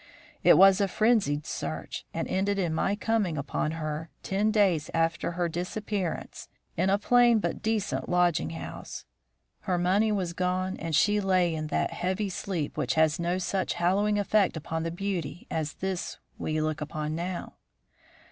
It was a frenzied search, and ended in my coming upon her, ten days after her disappearance, in a plain but decent lodging house. Her money was gone, and she lay in that heavy sleep which has no such hallowing effect upon the beauty as this we look upon now.